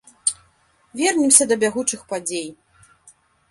Вернемся да бягучых падзей.